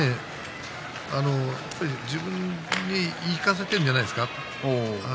自分に言い聞かせているんじゃないですか。